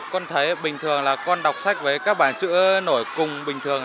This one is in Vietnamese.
con thấy bình thường là con đọc sách với các bạn chữ nổi cùng bình thường